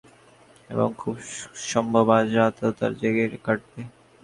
এবং খুব সম্ভব আজ রাতটাও তাঁর জেগেই কাটবে।